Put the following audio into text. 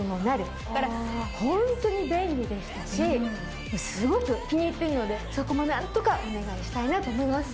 ホントに便利でしたしすごく気に入ってるのでそこも何とかお願いしたいなと思います。